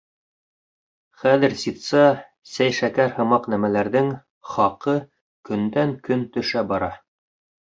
Хәҙер ситса, сәй-шәкәр һымаҡ нәмәләрҙең хаҡы көндән-көн төшә бара.